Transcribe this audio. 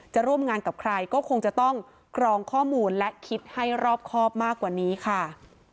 ร่วมงานกับใครก็คงจะต้องกรองข้อมูลและคิดให้รอบครอบมากกว่านี้ค่ะ